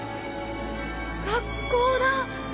学校だ！